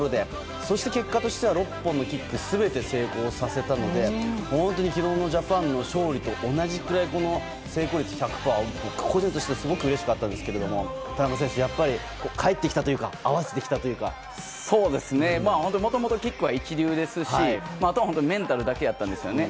そして、結果としては６本のキック全て成功させたので本当に昨日のジャパンの勝利と同じくらい成功率１００％は、僕個人としてすごくうれしかったんですけど田中選手、帰ってきたというか本当にもともとキックは一流ですしあとは本当にメンタルだけやったんですよね。